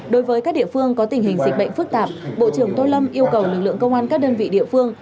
đối với các địa phương có tình hình dịch bệnh phức tạp bộ trưởng tô lâm yêu cầu lực lượng công an các đơn vị địa phương